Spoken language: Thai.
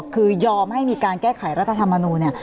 คือยอมให้มีการแก้ไขรัฐธรรมนูลเนี่ย